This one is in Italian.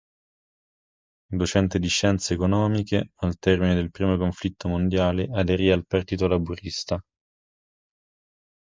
Docente di scienze economiche, al termine del primo conflitto mondiale aderì al Partito Laburista.